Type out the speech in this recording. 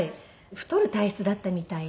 太る体質だったみたいで。